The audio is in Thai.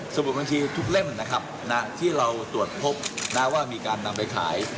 สมุดบัญชีทุกเล่มนะครับที่เราตรวจพบว่ามีการนำไปขาย